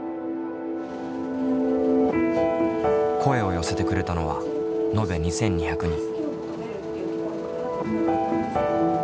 声を寄せてくれたのは延べ２，２００人。